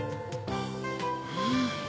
うん。